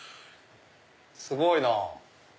すごいなぁ。